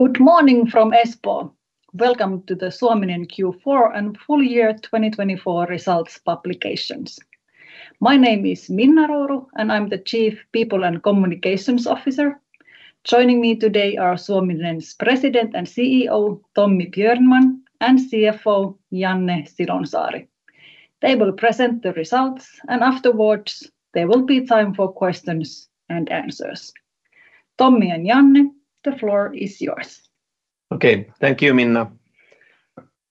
Good morning from Espoo. Welcome to the Suominen Q4 and full year 2024 results publications. My name is Minna Rouru, and I'm the Chief People and Communications Officer. Joining me today are Suominen's President and CEO, Tommi Björnman, and CFO, Janne Silonsaari. They will present the results, and afterwards there will be time for questions and answers. Tommi and Janne, the floor is yours. Okay, thank you, Minna.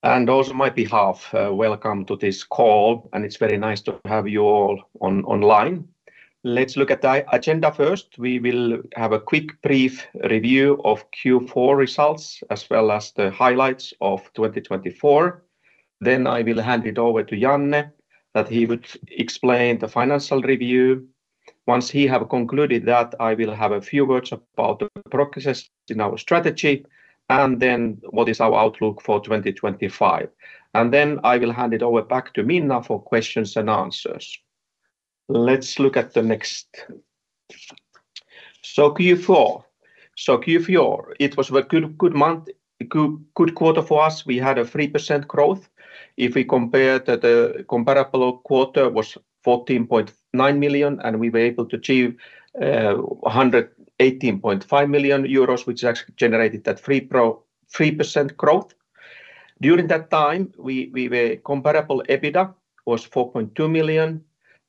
Also on my behalf, welcome to this call, and it's very nice to have you all online. Let's look at the agenda first. We will have a quick brief review of Q4 results as well as the highlights of 2024. I will hand it over to Janne that he would explain the financial review. Once he has concluded that, I will have a few words about the progress in our strategy, and then what is our outlook for 2025. I will hand it over back to Minna for questions and answers. Let's look at the next. Q4, it was a good quarter for us. We had a 3% growth. If we compare that, the comparable quarter was 114.9 million, and we were able to achieve 118.5 million euros, which actually generated that 3% growth. During that time, comparable EBITDA was 4.2 million,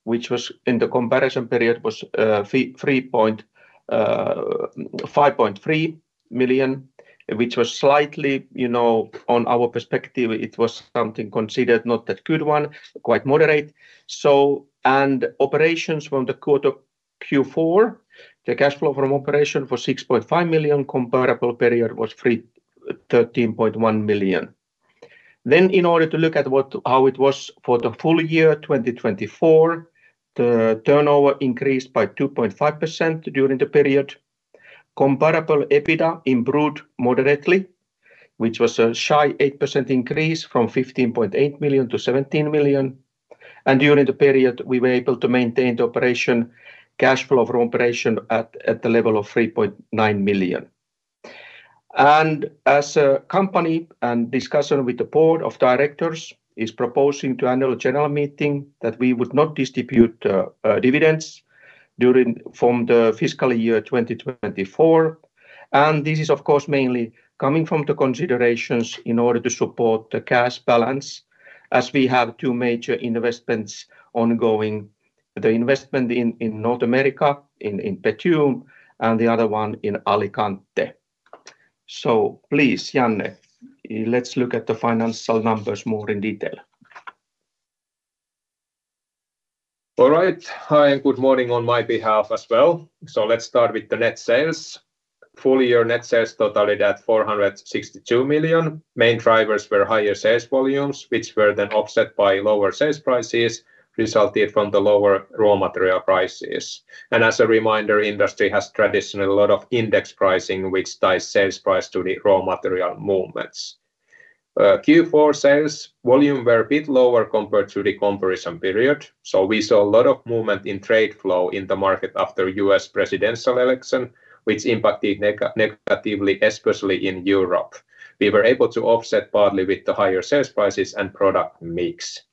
which in the comparison period was 5.3 million, which was slightly, you know, on our perspective, it was something considered not that good one, quite moderate. Operations from the quarter Q4, the cash flow from operation was 6.5 million, comparable period was 13.1 million. In order to look at how it was for the full year 2024, the turnover increased by 2.5% during the period. Comparable EBITDA improved moderately, which was a shy 8% increase from 15.8 million to 17 million. During the period, we were able to maintain the cash flow from operation at the level of 3.9 million. As a company and discussion with the board of directors is proposing to annual general meeting that we would not distribute dividends during from the fiscal year 2024. This is, of course, mainly coming from the considerations in order to support the cash balance, as we have two major investments ongoing: the investment in North America, in Bethune, and the other one in Alicante. Please, Janne, let's look at the financial numbers more in detail. All right. Hi, and good morning on my behalf as well. Let's start with the net sales. Full year net sales totaled at 462 million. Main drivers were higher sales volumes, which were then offset by lower sales prices resulting from the lower raw material prices. As a reminder, industry has traditionally a lot of index pricing, which ties sales price to the raw material movements. Q4 sales volume were a bit lower compared to the comparison period. We saw a lot of movement in trade flow in the market after the U.S. presidential election, which impacted negatively, especially in Europe. We were able to offset partly with the higher sales prices and product mix.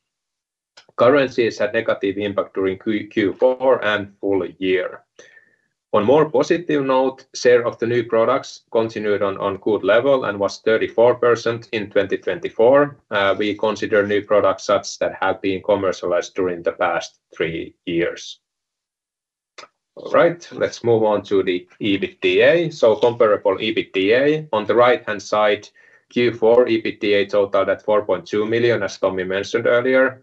Currencies had a negative impact during Q4 and full year. On a more positive note, the share of the new products continued on a good level and was 34% in 2024. We consider new products such that have been commercialized during the past three years. All right, let's move on to the EBITDA. Comparable EBITDA on the right-hand side, Q4 EBITDA totaled at 4.2 million, as Tommi mentioned earlier.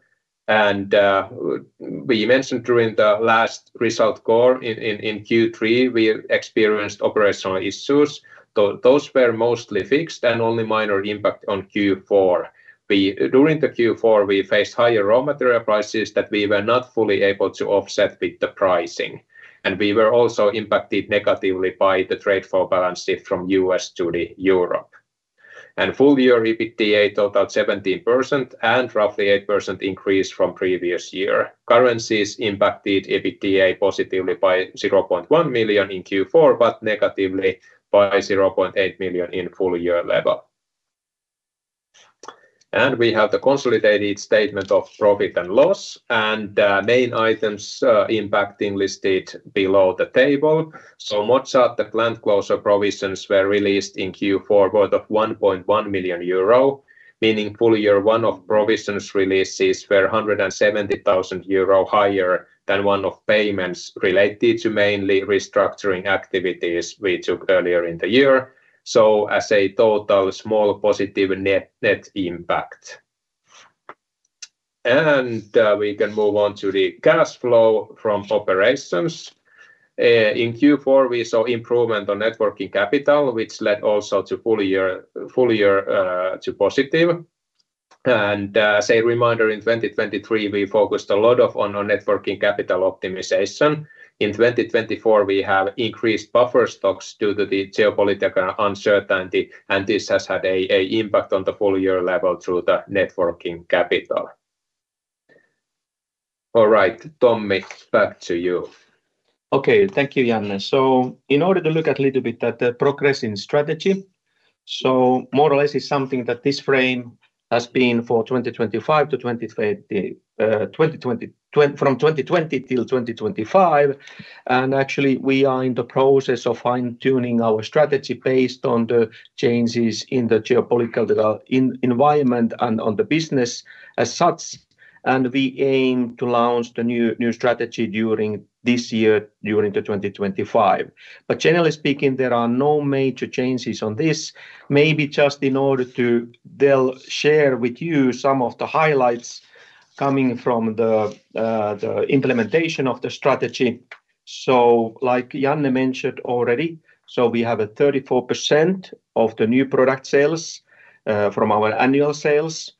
We mentioned during the last result call in Q3, we experienced operational issues. Those were mostly fixed and only minor impact on Q4. During Q4, we faced higher raw material prices that we were not fully able to offset with the pricing. We were also impacted negatively by the trade flow balance shift from U.S. to Europe. Full year EBITDA totaled 17% and roughly 8% increase from previous year. Currencies impacted EBITDA positively by 0.1 million in Q4, but negatively by 0.8 million in full year level. We have the consolidated statement of profit and loss, and the main items impacting listed below the table. Mozzate, the plant closure provisions were released in Q4 worth of 1.1 million euro, meaning full year one-off provisions releases were 170,000 euro higher than one-off payments related to mainly restructuring activities we took earlier in the year. As a total, small positive net impact. We can move on to the cash flow from operations. In Q4, we saw improvement on net working capital, which led also to full year to positive. As a reminder, in 2023, we focused a lot on net working capital optimization. In 2024, we have increased buffer stocks due to the geopolitical uncertainty, and this has had an impact on the full year level through the net working capital. All right, Tommi, back to you. Okay, thank you, Janne. In order to look a little bit at the progress in strategy, more or less it's something that this frame has been for 2020 till 2025. Actually, we are in the process of fine-tuning our strategy based on the changes in the geopolitical environment and on the business as such. We aim to launch the new strategy during this year, during 2025. Generally speaking, there are no major changes on this. Maybe just in order to share with you some of the highlights coming from the implementation of the strategy. Like Janne mentioned already, we have a 34% of the new product sales from our annual sales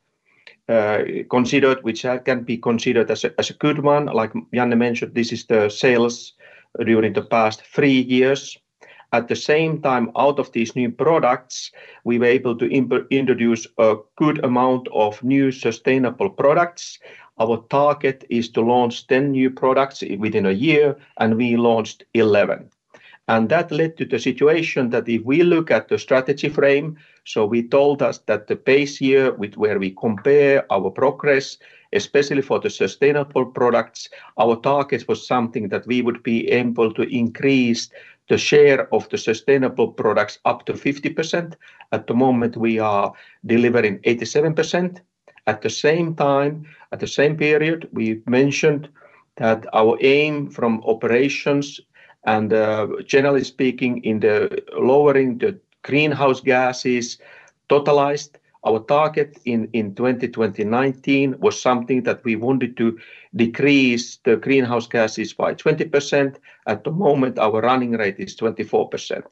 considered, which can be considered as a good one. Like Janne mentioned, this is the sales during the past three years. At the same time, out of these new products, we were able to introduce a good amount of new sustainable products. Our target is to launch 10 new products within a year, and we launched 11. That led to the situation that if we look at the strategy frame, we told us that the base year where we compare our progress, especially for the sustainable products, our target was something that we would be able to increase the share of the sustainable products up to 50%. At the moment, we are delivering 87%. At the same time, at the same period, we mentioned that our aim from operations and generally speaking in lowering the greenhouse gases totalized, our target in 2019-2020 was something that we wanted to decrease the greenhouse gases by 20%. At the moment, our running rate is 24%.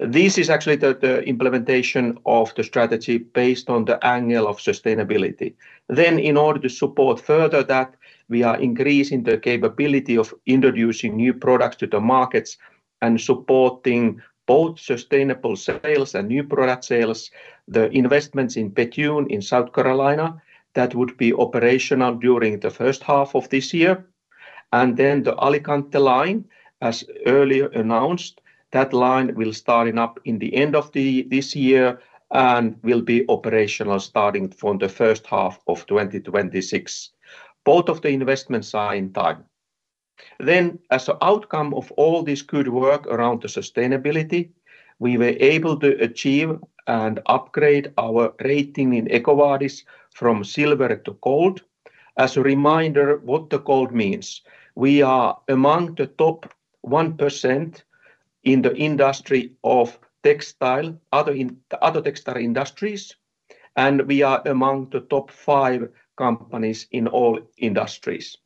This is actually the implementation of the strategy based on the angle of sustainability. In order to support further that, we are increasing the capability of introducing new products to the markets and supporting both sustainable sales and new product sales, the investments in Bethune in South Carolina that would be operational during the first half of this year. The Alicante line, as earlier announced, that line will start up in the end of this year and will be operational starting from the first half of 2026. Both of the investments are in time. As an outcome of all this good work around the sustainability, we were able to achieve and upgrade our rating in EcoVadis from silver to gold. As a reminder, what the gold means. We are among the top 1% in the industry of textile, other textile industries, and we are among the top five companies in all industries.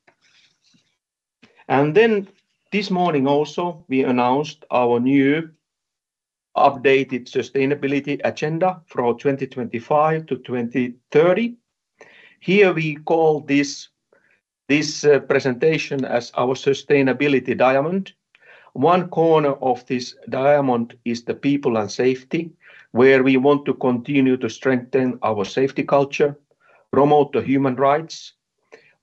This morning also, we announced our new updated sustainability agenda for 2025 to 2030. Here we call this presentation our Sustainability Diamond. One corner of this diamond is the people and safety, where we want to continue to strengthen our safety culture, promote human rights,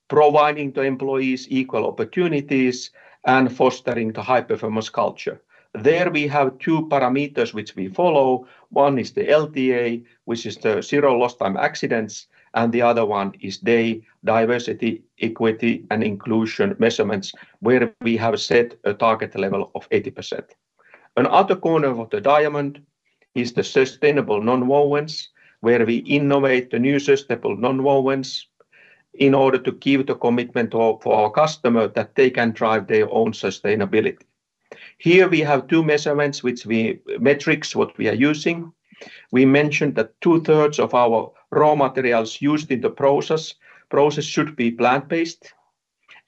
provide employees equal opportunities, and foster the high performance culture. There we have two parameters which we follow. One is the LTA, which is the zero lost time accidents, and the other one is diversity, equity, and inclusion measurements, where we have set a target level of 80%. Another corner of the diamond is the sustainable nonwovens, where we innovate the new sustainable nonwovens in order to give the commitment for our customer that they can drive their own sustainability. Here we have two measurements which we metrics what we are using. We mentioned that two-thirds of our raw materials used in the process should be plant-based.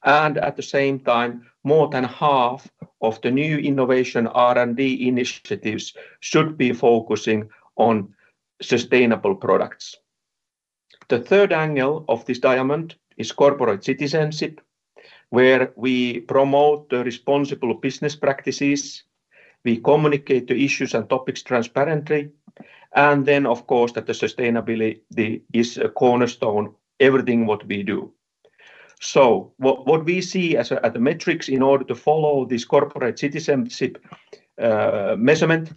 At the same time, more than half of the new innovation R&D initiatives should be focusing on sustainable products. The third angle of this diamond is corporate citizenship, where we promote responsible business practices. We communicate the issues and topics transparently. Of course, sustainability is a cornerstone, everything what we do. What we see as the metrics in order to follow this corporate citizenship measurement,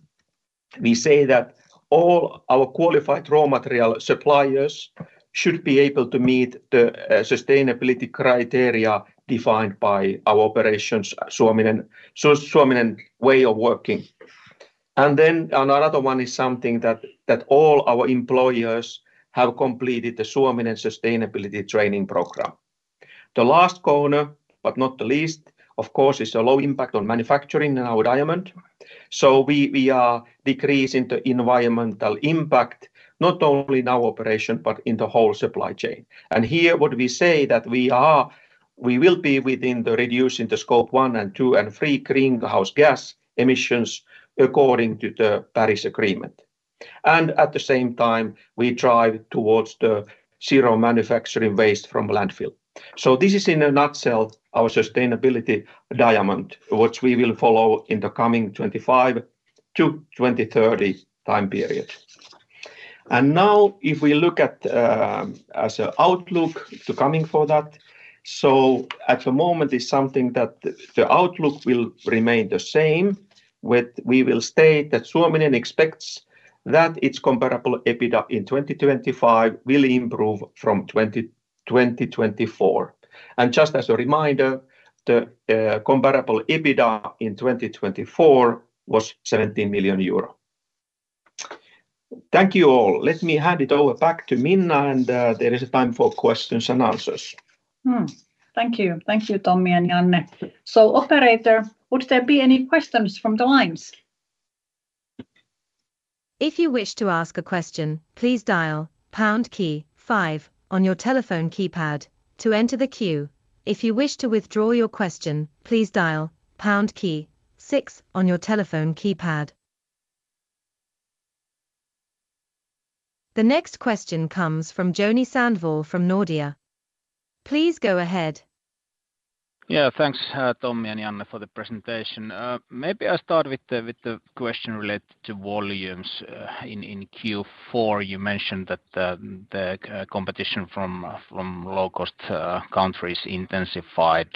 we say that all our qualified raw material suppliers should be able to meet the sustainability criteria defined by our operations, Suominen way of working. Another one is something that all our employees have completed the Suominen sustainability training program. The last corner, but not the least, of course, is a low impact on manufacturing in our diamond. We are decreasing the environmental impact, not only in our operation, but in the whole supply chain. Here what we say is that we will be within the reducing the Scope 1 and 2 and 3 greenhouse gas emissions according to the Paris Agreement. At the same time, we drive towards the zero manufacturing waste from landfill. This is in a nutshell, our Sustainability Diamond, which we will follow in the coming 2025 to 2030 time period. Now, if we look at as an outlook to coming for that, at the moment it is something that the outlook will remain the same, but we will state that Suominen expects that its comparable EBITDA in 2025 will improve from 2024. Just as a reminder, the comparable EBITDA in 2024 was 17 million euro. Thank you all. Let me hand it over back to Minna, and there is a time for questions and answers. Thank you. Thank you, Tommi and Janne. Operator, would there be any questions from the lines? If you wish to ask a question, please dial pound key five on your telephone keypad to enter the queue. If you wish to withdraw your question, please dial pound key six on your telephone keypad. The next question comes from Joni Sandvall from Nordea. Please go ahead. Yeah, thanks, Tommi and Janne, for the presentation. Maybe I start with the question related to volumes. In Q4, you mentioned that the competition from low-cost countries intensified.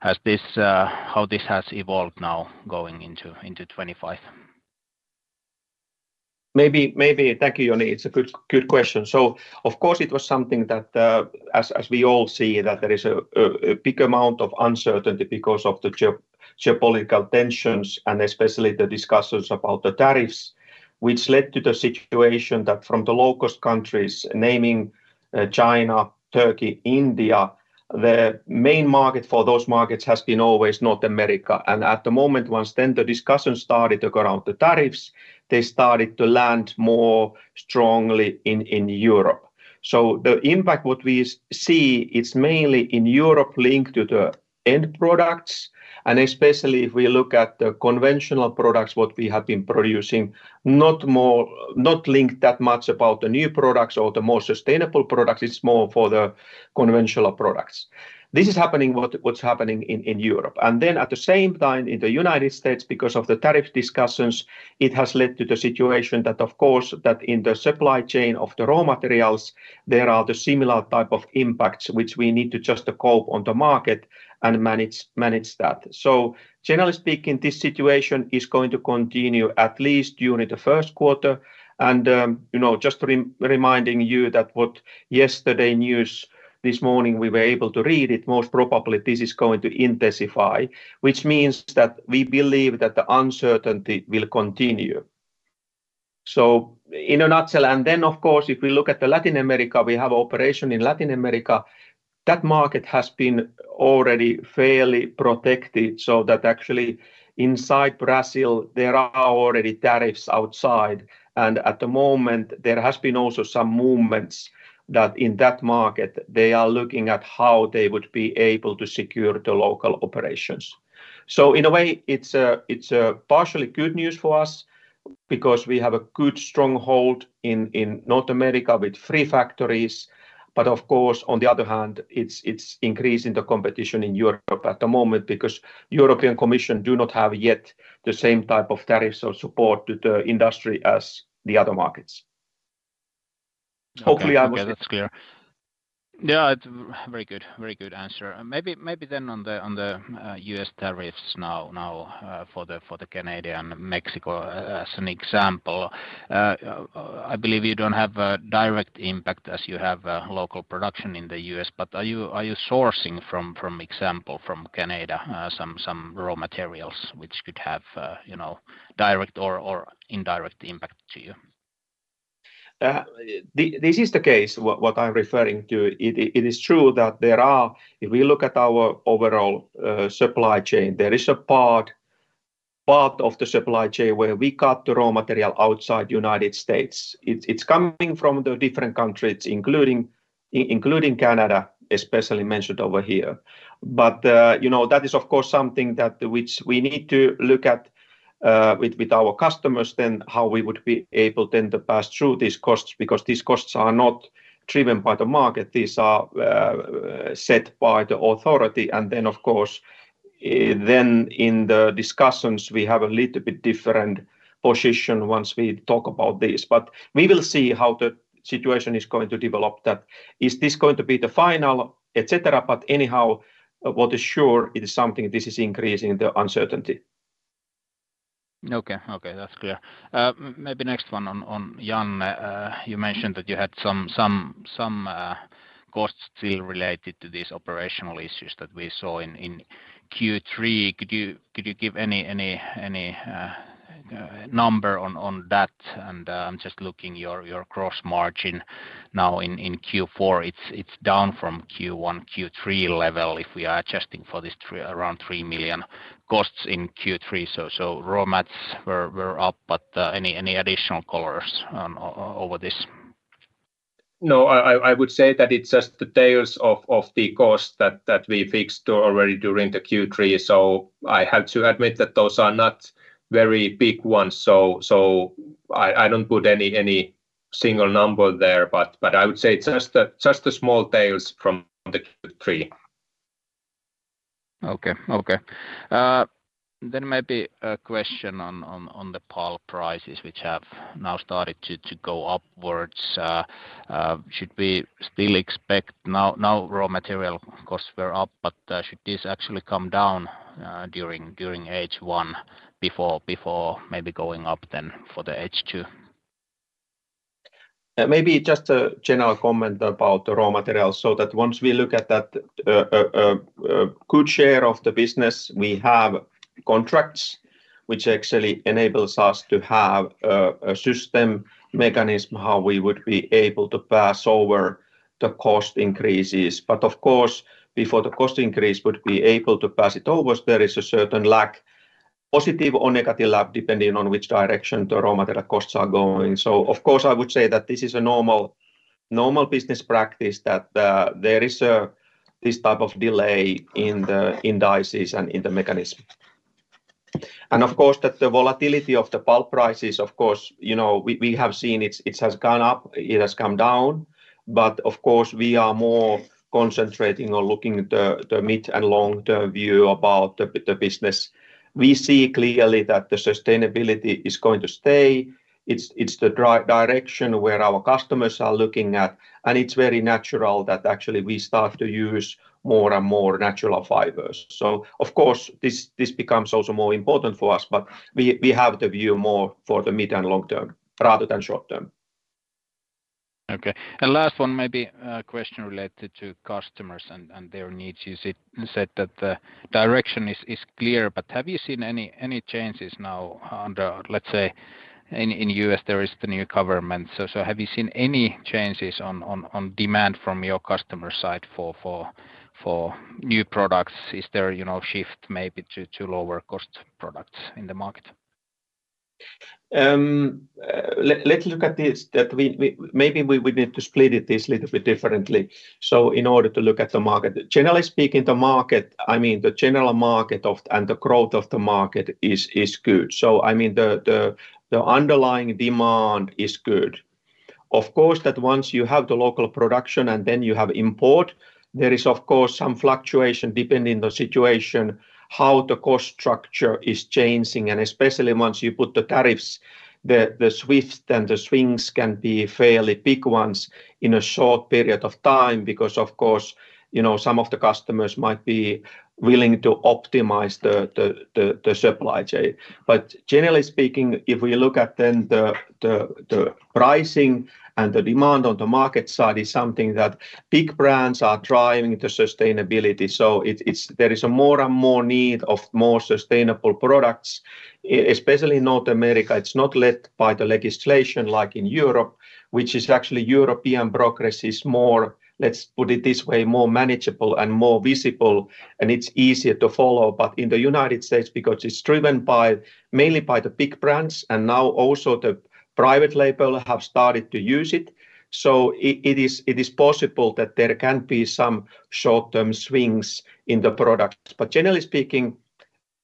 How this has evolved now going into 2025? Maybe. Thank you, Joni. It's a good question. Of course, it was something that, as we all see, there is a big amount of uncertainty because of the geopolitical tensions and especially the discussions about the tariffs, which led to the situation that from the low-cost countries, naming China, Turkey, India, the main market for those markets has been always North America. At the moment, once the discussion started around the tariffs, they started to land more strongly in Europe. The impact we see is mainly in Europe linked to the end products. Especially if we look at the conventional products we have been producing, not linked that much to the new products or the more sustainable products, it's more for the conventional products. This is happening in Europe. At the same time in the United States, because of the tariff discussions, it has led to the situation that, of course, in the supply chain of the raw materials, there are similar type of impacts which we need to just cope on the market and manage that. Generally speaking, this situation is going to continue at least during the first quarter. Just reminding you that what yesterday news, this morning we were able to read it, most probably this is going to intensify, which means that we believe that the uncertainty will continue. In a nutshell, if we look at Latin America, we have operation in Latin America. That market has been already fairly protected so that actually inside Brazil, there are already tariffs outside. At the moment, there has been also some movements that in that market, they are looking at how they would be able to secure the local operations. In a way, it's partially good news for us because we have a good stronghold in North America with three factories. Of course, on the other hand, it's increasing the competition in Europe at the moment because European Commission do not have yet the same type of tariffs or support to the industry as the other markets. Hopefully I was. Yeah, that's clear. Yeah, very good. Very good answer. Maybe then on the U.S. tariffs now for the Canadian and Mexico as an example. I believe you don't have a direct impact as you have local production in the U.S., but are you sourcing from example from Canada some raw materials which could have direct or indirect impact to you? This is the case what I'm referring to. It is true that there are, if we look at our overall supply chain, there is a part of the supply chain where we cut the raw material outside the U.S. It's coming from the different countries, including Canada, especially mentioned over here. That is of course something that which we need to look at with our customers then how we would be able then to pass through these costs because these costs are not driven by the market. These are set by the authority. In the discussions, we have a little bit different position once we talk about this. We will see how the situation is going to develop. Is this going to be the final, etc.? Anyhow, what is sure is something this is increasing the uncertainty. Okay, okay, that's clear. Maybe next one on Janne. You mentioned that you had some costs still related to these operational issues that we saw in Q3. Could you give any number on that? I'm just looking your gross margin now in Q4. It's down from Q1, Q3 level if we are adjusting for this around 3 million costs in Q3. Raw mats were up, but any additional colors over this? No, I would say that it's just the tails of the cost that we fixed already during the Q3. I have to admit that those are not very big ones. I don't put any single number there, but I would say just the small tails from the Q3. Okay, okay. Maybe a question on the pulp prices which have now started to go upwards. Should we still expect now raw material costs were up, but should this actually come down during H1 before maybe going up then for the H2? Maybe just a general comment about the raw material so that once we look at that good share of the business, we have contracts which actually enables us to have a system mechanism how we would be able to pass over the cost increases. Of course, before the cost increase would be able to pass it over, there is a certain lag, positive or negative lag depending on which direction the raw material costs are going. I would say that this is a normal business practice that there is this type of delay in the indices and in the mechanism. The volatility of the pulp prices, of course, we have seen it has gone up, it has come down, but we are more concentrating on looking at the mid and long-term view about the business. We see clearly that the sustainability is going to stay. It's the direction where our customers are looking at, and it's very natural that actually we start to use more and more natural fibers. Of course, this becomes also more important for us, but we have the view more for the mid and long-term rather than short-term. Okay. Last one, maybe a question related to customers and their needs. You said that the direction is clear, but have you seen any changes now under, let's say, in the U.S., there is the new government. Have you seen any changes on demand from your customer side for new products? Is there a shift maybe to lower-cost products in the market? Let's look at this. Maybe we need to split this a little bit differently. In order to look at the market, generally speaking, the market, I mean, the general market and the growth of the market is good. I mean, the underlying demand is good. Of course, once you have the local production and then you have import, there is of course some fluctuation depending on the situation how the cost structure is changing. Especially once you put the tariffs, the swift and the swings can be fairly big ones in a short period of time because of course, some of the customers might be willing to optimize the supply chain. Generally speaking, if we look at then the pricing and the demand on the market side is something that big brands are driving the sustainability. There is a more and more need of more sustainable products, especially in North America. It is not led by the legislation like in Europe, which is actually European progress is more, let's put it this way, more manageable and more visible and it's easier to follow. In the United States, because it's driven mainly by the big brands and now also the private label have started to use it. It is possible that there can be some short-term swings in the products. Generally speaking,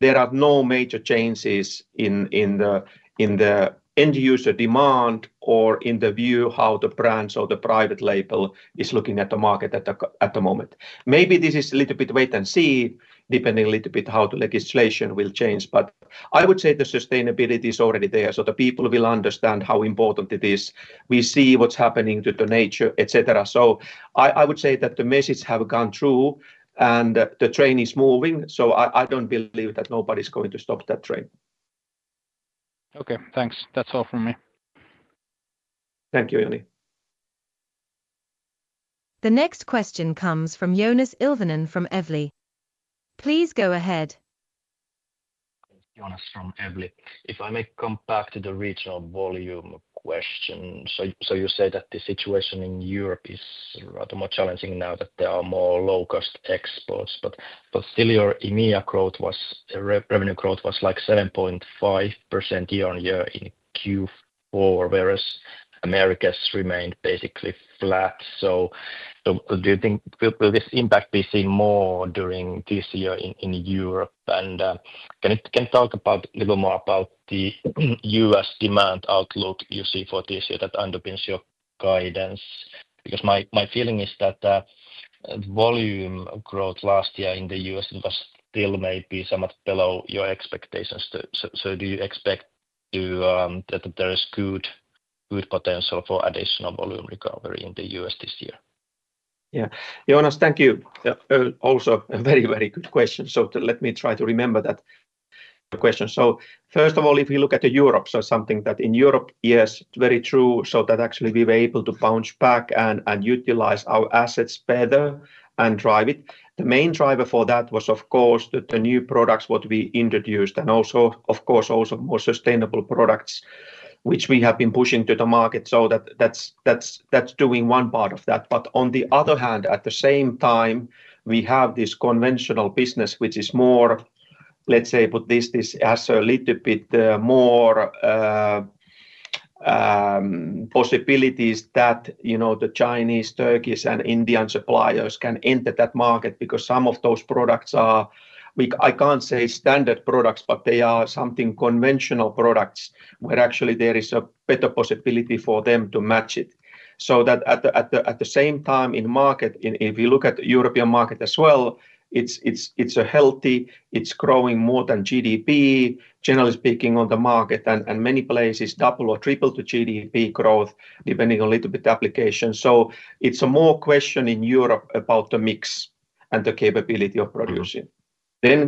there are no major changes in the end user demand or in the view how the brands or the private label is looking at the market at the moment. Maybe this is a little bit wait and see, depending a little bit how the legislation will change, but I would say the sustainability is already there. The people will understand how important it is. We see what's happening to the nature, etc. I would say that the message has gone through and the train is moving. I don't believe that nobody's going to stop that train. Okay, thanks. That's all from me. Thank you, Joni. The next question comes from Joonas Ilvonen from Evli. Please go ahead. Joonas from Evli. If I may come back to the regional volume question. You say that the situation in Europe is rather more challenging now that there are more low-cost exports, but still your EMEA growth was, revenue growth was like 7.5% year on year in Q4, whereas Americas remained basically flat. Do you think will this impact be seen more during this year in Europe? Can you talk a little more about the U.S. demand outlook you see for this year that underpins your guidance? Because my feeling is that volume growth last year in the U.S. was still maybe somewhat below your expectations. Do you expect that there is good potential for additional volume recovery in the U.S. this year? Yeah. Joonas, thank you. Also a very, very good question. Let me try to remember that question. First of all, if we look at Europe, something that in Europe, yes, very true. Actually, we were able to bounce back and utilize our assets better and drive it. The main driver for that was, of course, the new products we introduced and also, of course, also more sustainable products, which we have been pushing to the market. That is doing one part of that. On the other hand, at the same time, we have this conventional business, which is more, let's say, put this as a little bit more possibilities that the Chinese, Turkish, and Indian suppliers can enter that market because some of those products are, I can't say standard products, but they are something conventional products where actually there is a better possibility for them to match it. At the same time in market, if you look at the European market as well, it's healthy. It's growing more than GDP, generally speaking, on the market and many places, double or triple the GDP growth depending on a little bit application. It's a more question in Europe about the mix and the capability of producing.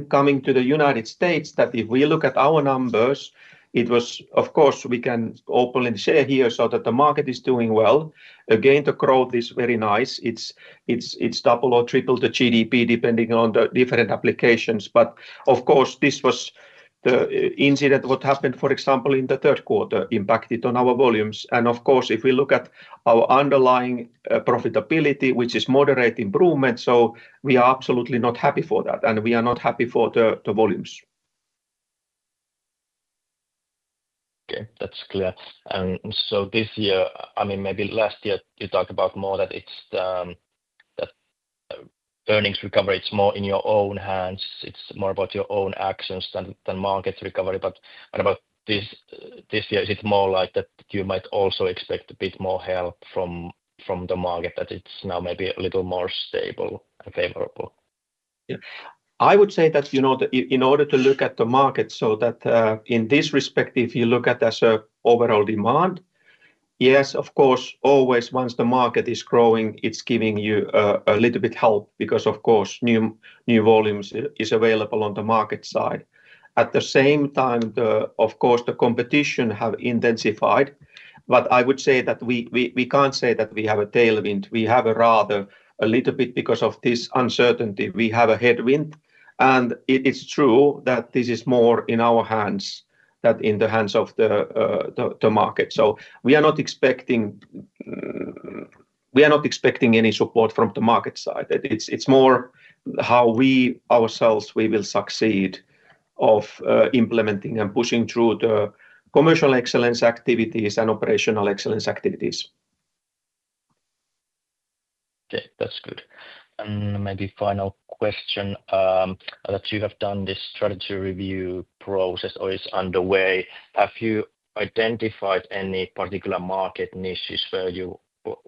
Coming to the United States, if we look at our numbers, it was, of course, we can openly share here so that the market is doing well. Again, the growth is very nice. It is double or triple the GDP depending on the different applications. Of course, this was the incident what happened, for example, in the third quarter impacted on our volumes. If we look at our underlying profitability, which is moderate improvement, we are absolutely not happy for that. We are not happy for the volumes. Okay, that's clear. This year, I mean, maybe last year you talked about more that it's the earnings recovery, it's more in your own hands. It's more about your own actions than market recovery. About this year, is it more like that you might also expect a bit more help from the market, that it's now maybe a little more stable and favorable? Yeah. I would say that in order to look at the market, in this respect, if you look at as an overall demand, yes, of course, always once the market is growing, it's giving you a little bit help because, of course, new volumes are available on the market side. At the same time, of course, the competition has intensified. I would say that we can't say that we have a tailwind. We have rather a little bit because of this uncertainty. We have a headwind. It is true that this is more in our hands than in the hands of the market. We are not expecting any support from the market side. It's more how we ourselves, we will succeed in implementing and pushing through the commercial excellence activities and operational excellence activities. Okay, that's good. Maybe final question. That you have done this strategy review process or is underway, have you identified any particular market niches where you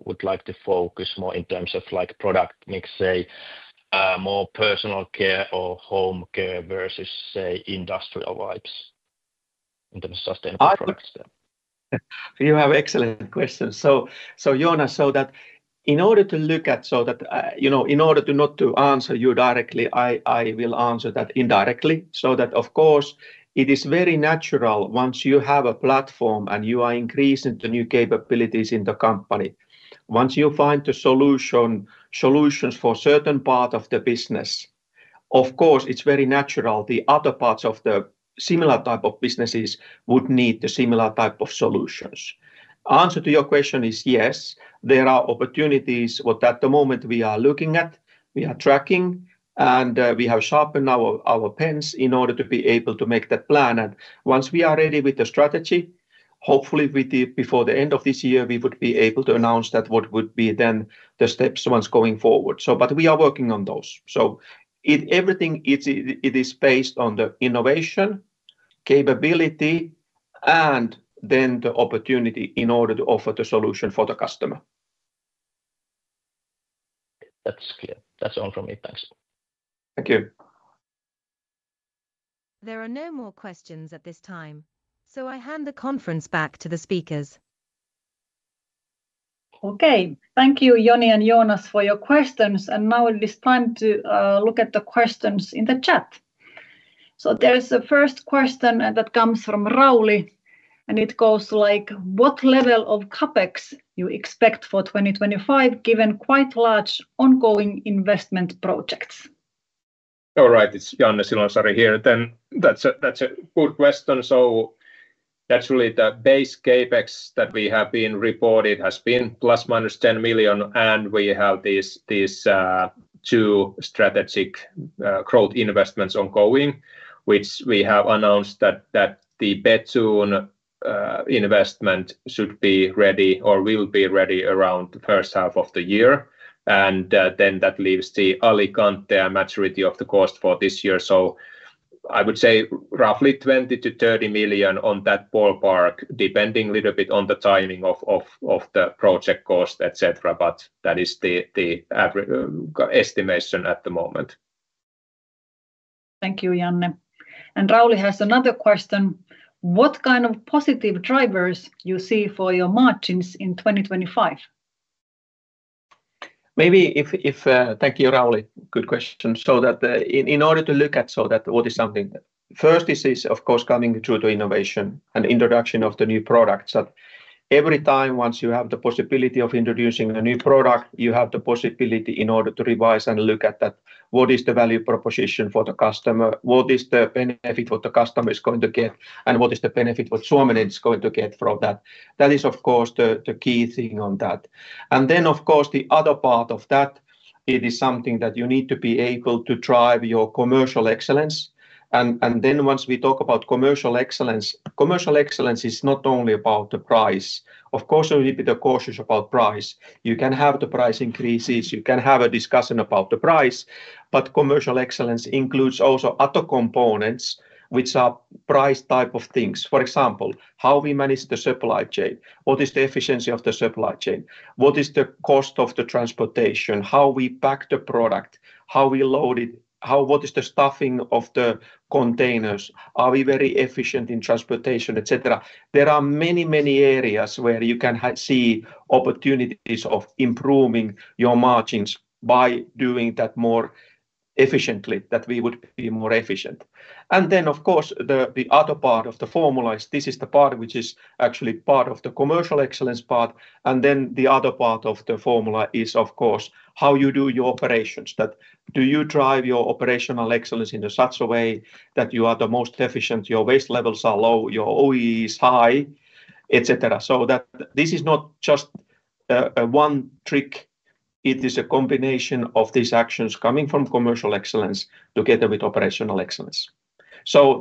would like to focus more in terms of product, say, more personal care or home care versus, say, industrial wipes in terms of sustainable products? You have excellent questions. Joonas, in order to not answer you directly, I will answer that indirectly. Of course, it is very natural once you have a platform and you are increasing the new capabilities in the company. Once you find the solutions for a certain part of the business, it is very natural the other parts of the similar type of businesses would need the similar type of solutions. Answer to your question is yes. There are opportunities at the moment we are looking at. We are tracking and we have sharpened our pens in order to be able to make that plan. Once we are ready with the strategy, hopefully before the end of this year, we would be able to announce what would be the steps going forward. We are working on those. Everything is based on the innovation, capability, and then the opportunity in order to offer the solution for the customer. That's clear. That's all from me. Thanks. Thank you. There are no more questions at this time. I hand the conference back to the speakers. Okay. Thank you, Joni and Jonas, for your questions. Now it is time to look at the questions in the chat. There is a first question that comes from Rauli, and it goes like, what level of CapEx you expect for 2025 given quite large ongoing investment projects? All right. It's Janne Silonsaari here. That's a good question. Actually, the base CapEx that we have been reported has been plus minus 10 million, and we have these two strategic growth investments ongoing, which we have announced that the better investment should be ready or will be ready around the first half of the year. That leaves the Alicante and maturity of the cost for this year. I would say roughly 20 million-30 million on that ballpark, depending a little bit on the timing of the project cost, etc. That is the estimation at the moment. Thank you, Janne. Rauli has another question. What kind of positive drivers do you see for your margins in 2025? Maybe if thank you, Rauli. Good question. In order to look at what is happening, first, this is of course coming true to innovation and introduction of the new products. Every time once you have the possibility of introducing a new product, you have the possibility in order to revise and look at what is the value proposition for the customer, what is the benefit what the customer is going to get, and what is the benefit what Suominen is going to get from that. That is of course the key thing on that. Of course the other part of that, it is something that you need to be able to drive your commercial excellence. Once we talk about commercial excellence, commercial excellence is not only about the price. Of course, we need to be cautious about price. You can have the price increases. You can have a discussion about the price. Commercial excellence includes also other components which are price type of things. For example, how we manage the supply chain, what is the efficiency of the supply chain, what is the cost of the transportation, how we pack the product, how we load it, what is the stuffing of the containers, are we very efficient in transportation, etc. There are many, many areas where you can see opportunities of improving your margins by doing that more efficiently, that we would be more efficient. Of course, the other part of the formula is this is the part which is actually part of the commercial excellence part. The other part of the formula is of course how you do your operations. Do you drive your operational excellence in such a way that you are the most efficient, your waste levels are low, your OEE is high, etc. It is not just one trick. It is a combination of these actions coming from commercial excellence together with operational excellence.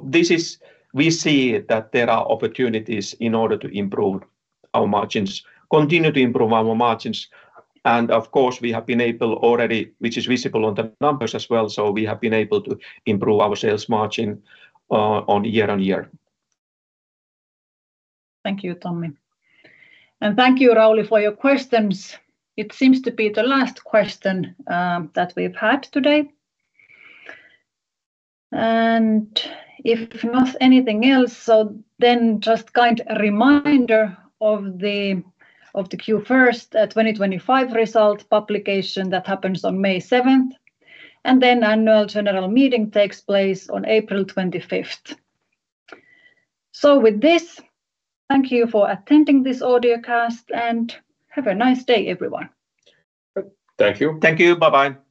This is where we see that there are opportunities in order to improve our margins, continue to improve our margins. Of course, we have been able already, which is visible on the numbers as well. We have been able to improve our sales margin year on year. Thank you, Tommi. And thank you, Rauli, for your questions. It seems to be the last question that we've had today. If not anything else, just a kind reminder of the Q1 2025 result publication that happens on May 7th. The annual general meeting takes place on April 25th. With this, thank you for attending this AudioCast and have a nice day, everyone. Thank you. Thank you. Bye-bye.